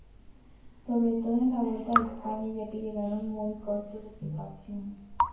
Sobre todo en la Vuelta a España, ya que llegó muy corto de preparación.